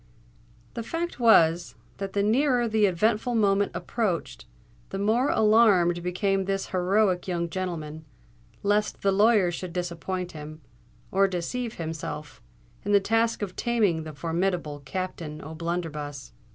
The fact was, that the nearer the eventful moment approached, the more alarmed became this heroic young gentleman, lest the lawyer should disappoint him, or deceive himself, in the task of taming the formidable Captain O'Blunderbuss.